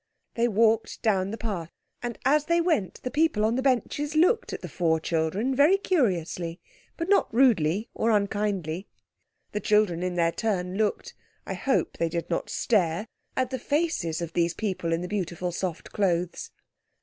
They walked down the path, and as they went the people on the benches looked at the four children very curiously, but not rudely or unkindly. The children, in their turn, looked—I hope they did not stare—at the faces of these people in the beautiful soft clothes.